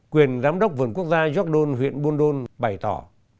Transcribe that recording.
quyền giám đốc vườn quốc gia jordan huyện bundun bày tỏ